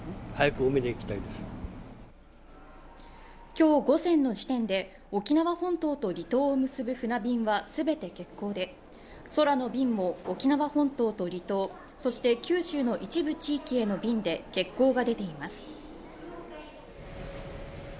きょう午前の時点で沖縄本島と離島を結ぶ船便はすべて欠航で空の便も沖縄本島と離島そして九州の一部地域への便で欠航が出ています